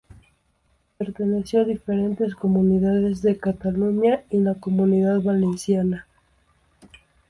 Perteneció a diferentes comunidades de Cataluña y la Comunidad Valenciana.